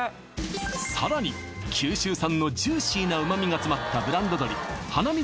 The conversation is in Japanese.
さらに九州産のジューシーな旨味が詰まったブランド鶏華味